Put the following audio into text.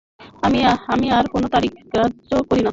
আমি আর কোন তারিখ গ্রাহ্য করি না।